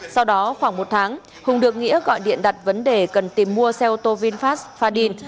sau đó khoảng một tháng hùng được nghĩa gọi điện đặt vấn đề cần tìm mua xe ô tô vinfast fadin